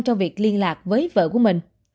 trong việc liên lạc với vợ của mình